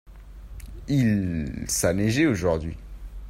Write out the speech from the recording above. Il ca neiger aujourd'hui.